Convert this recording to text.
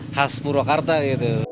khas purwakarta gitu